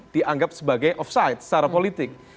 dianggap sebagai off site secara politik